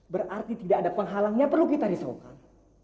berarti tidak ada penghalang yang perlu kita risaukan